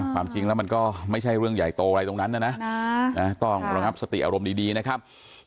ความจริงแล้วมันก็ไม่ใช่เรื่องใหญ่โตอะไรตรงนั้นนะนะต้องระงับสติอารมณ์ดีนะครับ